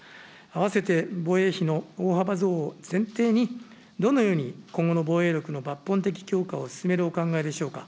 併せて防衛費の大幅増を前提に、どのような今後の防衛力の抜本的強化を進めるお考えでしょうか。